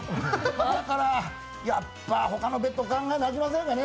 だから、やっぱ他のベッド考えなきゃいけませんかね？